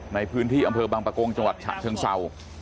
ในพื้นที่อำเภอบังปะโกงจังหวัดฉะเชิงเศร้า